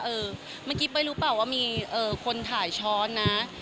เมื่อกี้เป้ยรู้เปล่าว่ามีคนถ่ายช้อนนะ